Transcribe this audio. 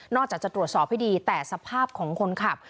จะตรวจสอบให้ดีแต่สภาพของคนขับ